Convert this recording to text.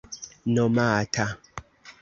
nomata